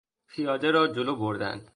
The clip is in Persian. پیاده را جلو بردن